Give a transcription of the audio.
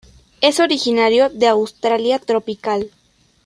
Es originario de Australia tropical.